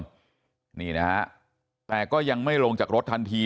มาจอดที่เดิมแต่ก็ยังไม่ลงจากรถทันที